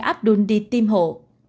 abdul đi tiêm chủng